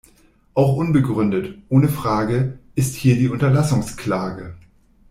Auch unbegründet – ohne Frage – ist hier die Unterlassungsklage.